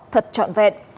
thật trọn vẹn